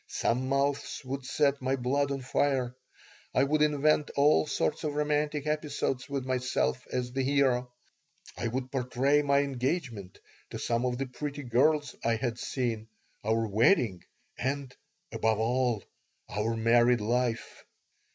Some mouths would set my blood on fire. I would invent all sorts of romantic episodes with myself as the hero. I would portray my engagement to some of the pretty girls I had seen, our wedding, and, above all, our married life.